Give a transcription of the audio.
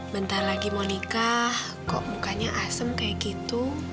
bentar lagi mau nikah kok mukanya asem kayak gitu